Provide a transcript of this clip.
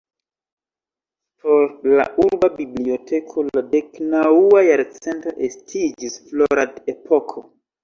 Por la Urba Biblioteko la deknaŭa jarcento estiĝis florad-epoko.